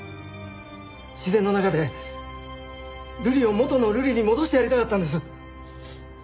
自然の中でルリを元のルリに戻してやりたかったんです。